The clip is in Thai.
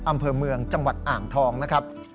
อำเภอเมืองจังหวัดอ่างทองนะครับ